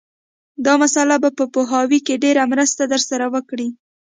دا مسأله به په پوهاوي کې ډېره مرسته در سره وکړي